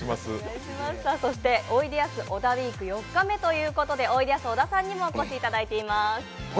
「おいでやす小田ウイーク」４日目ということでおいでやす小田さんにもお越しいただいています。